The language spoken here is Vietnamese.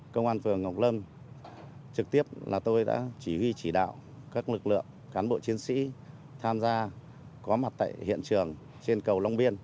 công an phường ngọc lâm trực tiếp là tôi đã chỉ huy chỉ đạo các lực lượng cán bộ chiến sĩ tham gia có mặt tại hiện trường trên cầu long biên